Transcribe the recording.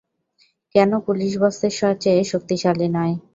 কোনো পুলিশ বসের চেয়ে শক্তিশালী নয়।